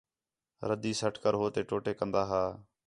رَدّی سٹ کر ہوتے ٹوٹے کندا ہا